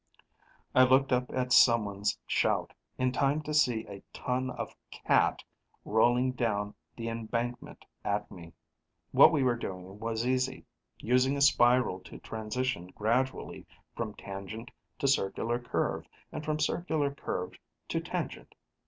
I looked up at someone's shout, in time to see a ton of cat rolling down the embankment at me. What we were doing was easy. Using a spiral to transition gradually from tangent to circular curve and from circular curve to tangent.